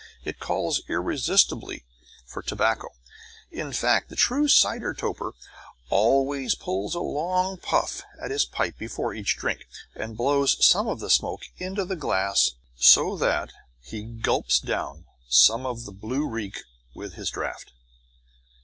It calls irresistibly for tobacco; in fact the true cider toper always pulls a long puff at his pipe before each drink, and blows some of the smoke into the glass so that he gulps down some of the blue reek with his draught.